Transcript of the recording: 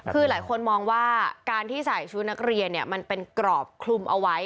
คือหลายคนมองว่าการที่ใส่ชุดนักเรียนมันเป็นกรอบคลุมเอาไว้